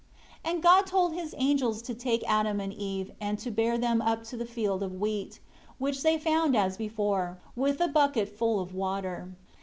7 And God told His angels to take Adam and Eve, and to bear them up to the field of wheat, which they found as before, with the bucket full of water.